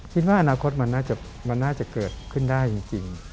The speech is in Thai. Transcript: คิดว่าอนาคตมันน่าจะเกิดขึ้นได้จริง